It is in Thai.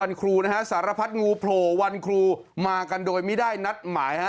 ครูนะฮะสารพัดงูโผล่วันครูมากันโดยไม่ได้นัดหมายฮะ